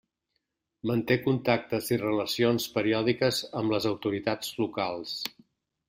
Manté contactes i relacions periòdiques amb les autoritats locals.